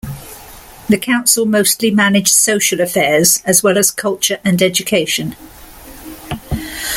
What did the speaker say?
The Council mostly managed social affairs as well as culture and education.